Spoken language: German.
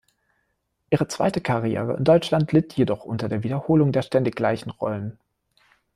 Ihre zweite Karriere in Deutschland litt jedoch unter der Wiederholung der ständig gleichen Rollen.